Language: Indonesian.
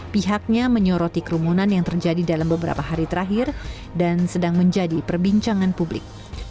pihaknya menyoroti kerumunan yang terjadi dalam beberapa hari terakhir dan sedang menjadi perbincangan publik